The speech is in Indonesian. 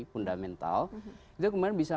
fundamental itu kemudian bisa